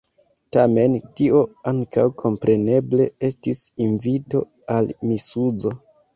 Tamen tio ankaŭ kompreneble estis invito al misuzo.